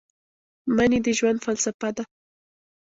مني د ژوند فلسفه ده